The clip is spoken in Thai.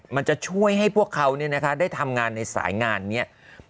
มันจะช่วยให้พวกเขาได้ทำงานในสายงานนี้